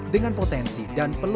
bahkan di sisi sumber